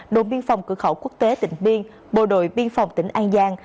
đồn biên phòng cửa khẩu quốc tế tịnh biên bộ đội biên phòng tỉnh an giang